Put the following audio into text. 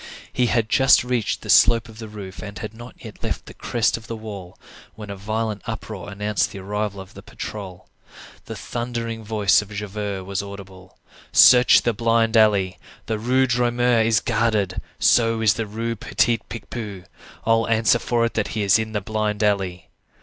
He had just reached the slope of the roof, and had not yet left the crest of the wall, when a violent uproar announced the arrival of the patrol. The thundering voice of Javert was audible:— "Search the blind alley! The Rue Droit Mur is guarded! so is the Rue Petit Picpus. I'll answer for it that he is in the blind alley."